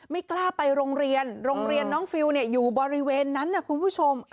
ไม่กล้าไปโรงเรียนโรงเรียนน้องฟิลอยู่บริเวณนั้นนะคุณผู้ชม